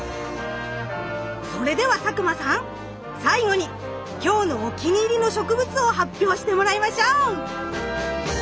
それでは佐久間さん最後に今日のお気に入りの植物を発表してもらいましょう！